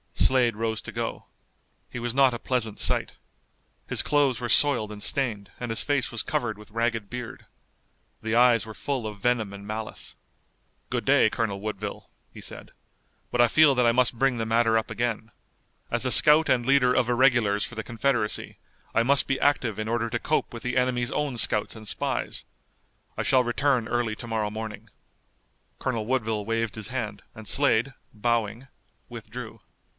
Slade rose to go. He was not a pleasant sight. His clothes were soiled and stained, and his face was covered with ragged beard. The eyes were full of venom and malice. "Good day, Colonel Woodville," he said, "but I feel that I must bring the matter up again. As a scout and leader of irregulars for the Confederacy. I must be active in order to cope with the enemy's own scouts and spies. I shall return early to morrow morning." Colonel Woodville waved his hand and Slade, bowing, withdrew.